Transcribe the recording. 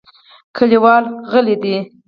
کلیوال غلي دي .